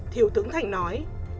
thiếu tướng thành nói